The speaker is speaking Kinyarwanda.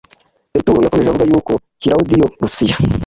Teritulo yakomeje avuga yuko Kilawudiyo Lusiya,